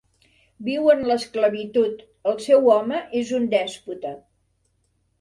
Viu en l'esclavitud: el seu home és un dèspota.